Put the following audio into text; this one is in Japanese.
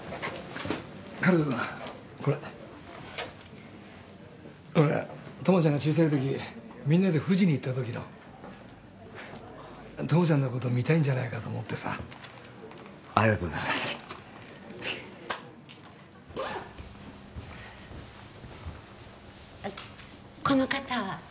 温人君これほら友ちゃんが小さい時みんなで富士に行った時の友ちゃんのこと見たいんじゃないかと思ってさありがとうございますあっこの方は？